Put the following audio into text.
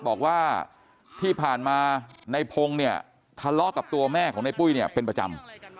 บอกว่าที่ผ่านมาในพงศ์เนี่ยทะเลาะกับตัวแม่ของในปุ้ยเนี่ยเป็นประจำ